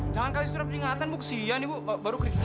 jangan kasih surat peringatan bu kesian ibu baru kerja